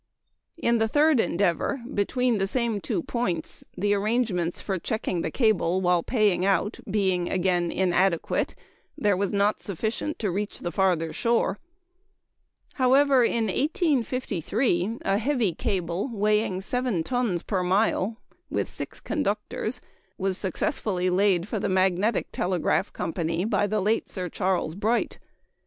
In the third endeavor, between the same two points, the arrangements for checking the cable while paying out being again inadequate, there was not sufficient to reach the farther shore. However, in 1853, a heavy cable, weighing 7 tons per mile, with six conductors, was successfully laid for the Magnetic Telegraph Company by the late Sir Charles Bright.